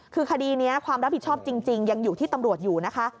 คือคดีนี้ความรับผิดชอบจริงยังอยู่ที่ตำรวจอยู่นะคะ